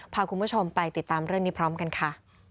พาคุณผู้ชมไปติดตามเรื่องนี้พร้อมกันค่ะ